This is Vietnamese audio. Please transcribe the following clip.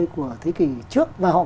hai mươi ba mươi của thế kỷ trước và họ